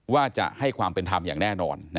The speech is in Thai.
ว่าจะให้ความเป็นธรรมอย่างแน่นอน